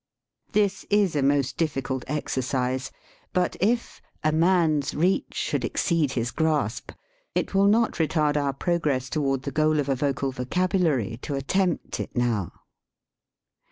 This is a most difficult exercise, but if "a man's reach should exceed his grasp," it will not retard our progress toward the goal of a vocal vocabulary to attempt it now.